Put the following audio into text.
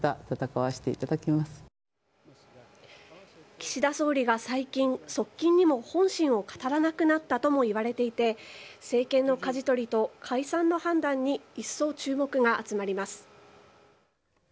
岸田総理が最近、側近にも本心を語らなくなったともいわれていて政権の舵取りと解散の判断にいっそう注目が集まります。